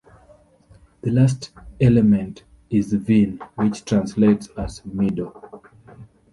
The last element is "vin", which translates as "meadow".